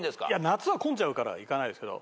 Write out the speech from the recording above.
夏は混んじゃうから行かないですけど